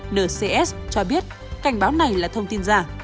ncs cho biết cảnh báo này là thông tin giả